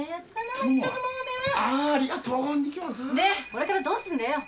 これからどうすんだよ？